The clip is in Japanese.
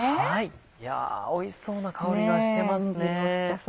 いやおいしそうな香りがしてますね。